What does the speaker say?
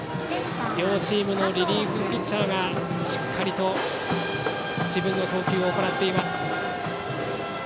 両チームのリリーフピッチャーがしっかりと自分の投球を行っています。